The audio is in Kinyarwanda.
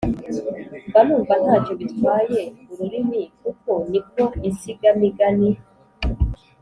mba numva ntacyo bitwaye ururimi kuko ni ko insigamigani